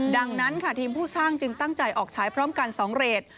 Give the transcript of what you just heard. ดังนั้นค่ะทีมผู้สร้างจึงตั้งใจออกฉายพร้อมกัน๒เรท